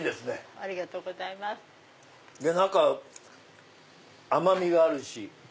中甘みがあるし。